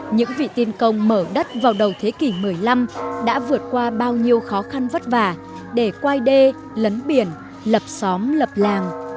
những vị tiên công mở đất vào đầu thế kỷ một mươi năm đã vượt qua bao nhiêu khó khăn vất vả để quay đê lấn biển lập xóm lập làng